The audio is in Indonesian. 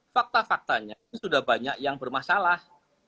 fakta faktanya sudah banyak yang bermasalah